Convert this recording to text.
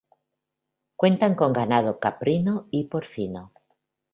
Cuentan con ganado caprino y porcino.